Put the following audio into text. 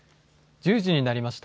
１０時になりました。